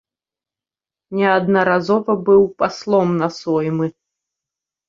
Неаднаразова быў паслом на соймы.